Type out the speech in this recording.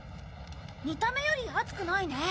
見た目より熱くないね。